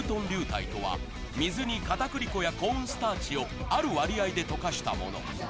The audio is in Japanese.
流体とは、水にかたくり粉やコーンスターチをある割合でとかしたもの。